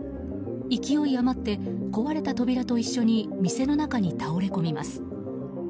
勢い余って、壊れた扉と一緒に店の中に倒れ込みます。